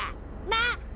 なあ。